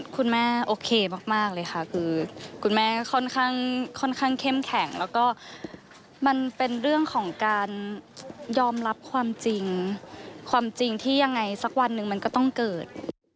คุณแม่โอเคมากเลยค่ะคือคุณแม่ก็ค่อนข้างเข้มแข็งแล้วก็มันเป็นเรื่องของการยอมรับความจริงความจริงที่ยังไงสักวันหนึ่งมันก็ต้องเกิด